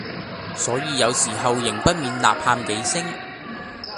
所以有時候仍不免吶喊幾聲，